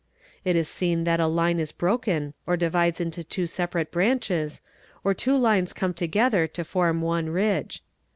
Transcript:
It is seen that a line is broken or divides into two separate branches, or two lines come together to form one ridge.